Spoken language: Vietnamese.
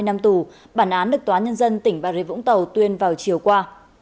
năm tù bản án được tòa nhân dân tỉnh bà rịa vũng tàu tuyên vào chiều qua